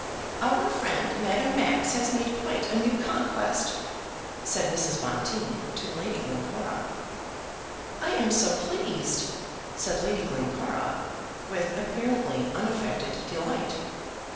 "Our friend Madame Max has made quite a new conquest," said Mrs. Bonteen to Lady Glencora. "I am so pleased," said Lady Glencora, with apparently unaffected delight.